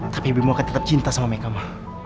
tapi bimu akan tetap cinta sama meka ma